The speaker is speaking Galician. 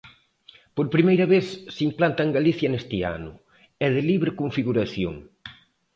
Por primeira vez se implanta en Galicia neste ano, é de libre configuración.